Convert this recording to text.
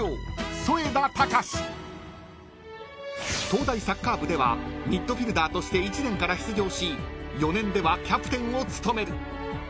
［東大サッカー部ではミッドフィルダーとして１年から出場し４年ではキャプテンを務める］